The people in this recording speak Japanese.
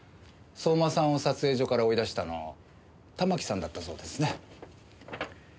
相馬さんを撮影所から追い出したの玉木さんだったそうですね？